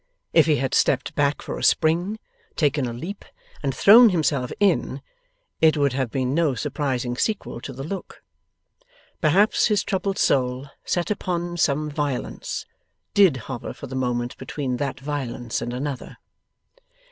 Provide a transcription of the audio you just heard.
If he had stepped back for a spring, taken a leap, and thrown himself in, it would have been no surprising sequel to the look. Perhaps his troubled soul, set upon some violence, did hover for the moment between that violence and another.